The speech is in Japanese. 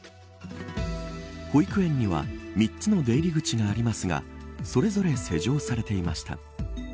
保育園には３つの出入り口がありますがそれぞれ施錠されていました。